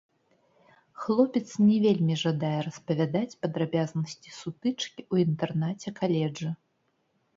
Хлопец не вельмі жадае распавядаць падрабязнасці сутычкі ў інтэрнаце каледжа.